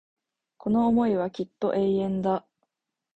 この思いはきっと永遠だ